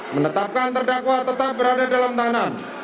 menetapkan terdakwa tetap berada dalam tahanan